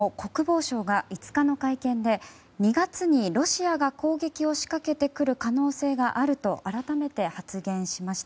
更に気になる情報としてウクライナの国防相が５日の会見で、２月にロシアが攻撃を仕掛けてくる可能性があると改めて発言しました。